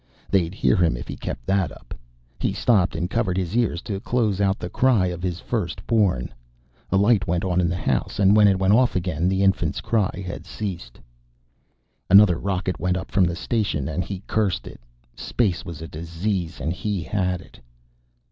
They'd hear him if he kept that up. He stopped and covered his ears to close out the cry of his firstborn. A light went on in the house, and when it went off again, the infant's cry had ceased. Another rocket went up from the station, and he cursed it. Space was a disease, and he had it.